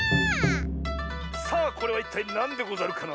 さあこれはいったいなんでござるかな？